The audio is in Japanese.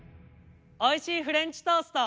おいしいフレンチトースト。